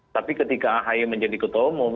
tapi ketika ahy menjadi ketua umum